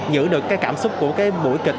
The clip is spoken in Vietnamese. giữ được cái cảm xúc của cái buổi kịch